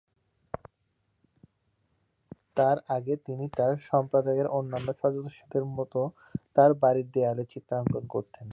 তার আগে, তিনি তাঁর সম্প্রদায়ের অন্যান্য সদস্যদের মতো তাঁর বাড়ির দেয়ালে চিত্রাঙ্কন করতেন।